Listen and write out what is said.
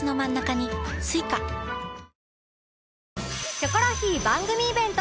『キョコロヒー』番組イベント